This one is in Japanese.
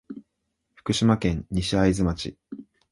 福島県西会津町